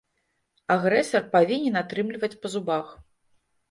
Агрэсар павінен атрымліваць па зубах.